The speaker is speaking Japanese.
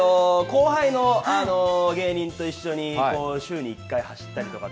後輩の芸人と一緒に週に１回、走ったりとか。